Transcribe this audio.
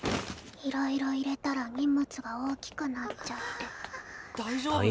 いろいろ入れたら荷物が大きくなっちゃって。